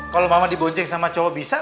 kalau mama dibonceng sama cowok bisa